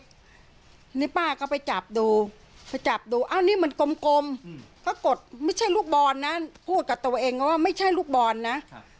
นี่ป้าก็ไปจับดูไปจับดูอ้าวนี่มันกลมก็กดไม่ใช่ลูกบอลนะพูดกับตัวเองว่าไม่ใช่ลูกบอลนะ